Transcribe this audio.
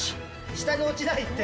下に落ちないって。